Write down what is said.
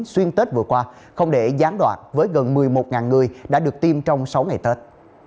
xuyên tết vừa qua không để gián đoạn với gần một mươi một người đã được tiêm trong sáu ngày tết